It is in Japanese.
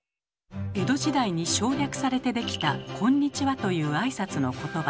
江戸時代に省略されてできた「こんにちは」という挨拶のことば。